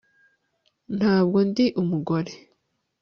Ntabwo ndi umugore